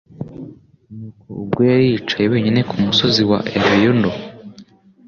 nuko ubwo yari yicaye wenyine ku musozi wa Elayono,